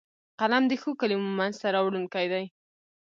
قلم د ښو کلمو منځ ته راوړونکی دی